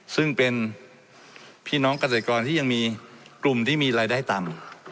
ซึ่งเป็นพี่น้องเกษตรกรที่ยังมีกลุ่มที่มีรายได้ต่ำ